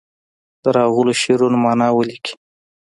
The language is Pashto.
د راغلو شعرونو معنا ولیکي.